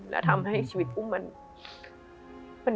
และทำให้ชีวิตอุ้มมัน